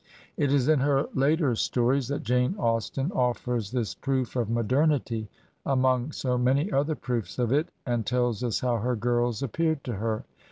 '' It is m her later "Stories that' Jah(3 Atrsten 'offers this proof of modernity among so many other proofs of it, and tells us how her girls appeared to her.